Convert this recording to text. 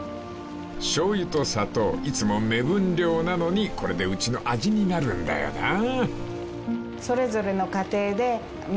［しょうゆと砂糖いつも目分量なのにこれでうちの味になるんだよなあ］